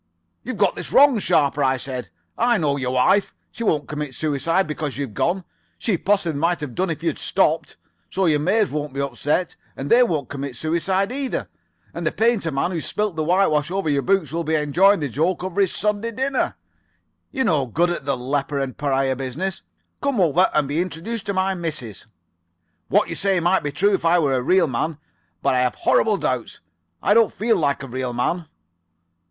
"'You've got this wrong, Sharper,' I said. 'I know your wife. She won't commit suicide because you've gone. She possibly might have done it if you had stopped. So your maids won't be upset, and they won't commit suicide either. And the painter's man who spilt the whitewash over your books will be enjoying the joke over his Sunday dinner. You're no good at the leper and pariah business. Come over and be introduced to my missus.' "'What you say might be true if I were a real man, but I have horrible doubts. I don't feel like a real man.